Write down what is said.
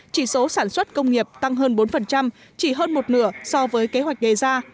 chỉ số sản xuất công nghiệp tăng hơn bốn chỉ hơn một nửa so với kế hoạch đề ra